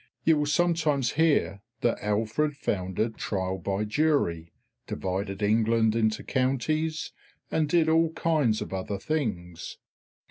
You will sometimes hear that Alfred founded Trial by Jury, divided England into Counties, and did all kinds of other things.